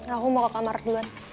aku mau ke kamar duluan